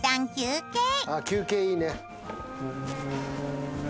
あっ休憩いいね。